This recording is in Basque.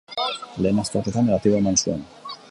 Lehen azterketan negatibo eman zuen.